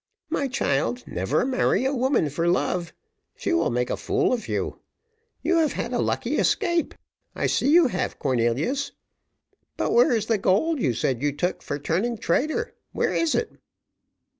My child, never marry a woman for love she will make a fool of you. You have had a lucky escape I see you have, Cornelius. But where is the gold you said you took for turning traitor where is it?"